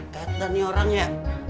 kayaknya udah nih orang ya